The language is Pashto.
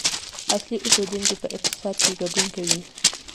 اصلي اوسیدونکي په اقتصاد کې ګډون کوي.